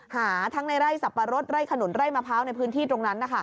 หาทั้งในไร่สับปะรดไร่ขนุนไร่มะพร้าวในพื้นที่ตรงนั้น